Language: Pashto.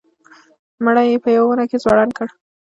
مړی یې په یوه ونه کې ځوړند کړ.